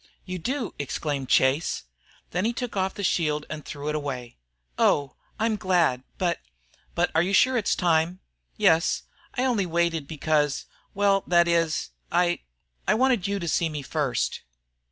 "You do?" exclaimed Chase. Then he took off the shield and threw it away. "Oh! I'm glad. But but are you sure it's time." "Yes. I only waited because well that is I I wanted you to see me first."